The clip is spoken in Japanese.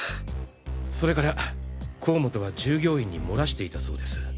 それから甲本は従業員にもらしていたそうです。